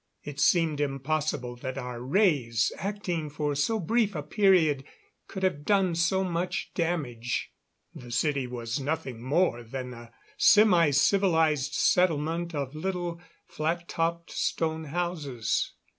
It seemed impossible that our rays, acting for so brief a period, could have done so much damage. The city was nothing more than a semicivilized settlement of little, flat topped stone houses.